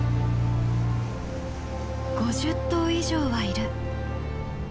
５０頭以上はいる。